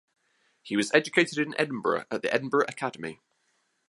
He was educated in Edinburgh at the Edinburgh Academy.